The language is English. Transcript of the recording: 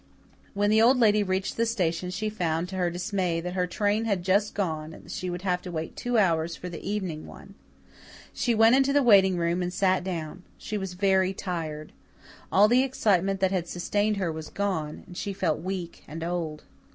When the Old Lady reached the station she found, to her dismay, that her train had just gone and that she would have to wait two hours for the evening one. She went into the waiting room and sat down. She was very tired. All the excitement that had sustained her was gone, and she felt weak and old.